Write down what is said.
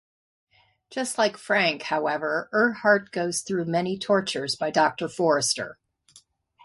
Just like Frank, however, Erhardt goes through many tortures by Doctor Forrester.